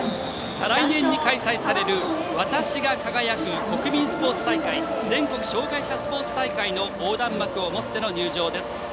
再来年に開催される「わたＳＨＩＧＡ輝く国民スポーツ大会全国障害者スポーツ大会」の横断幕を持っての入場です。